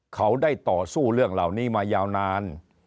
เขาได้ต่อสู้เรื่องเหล่านี้มายาวนาน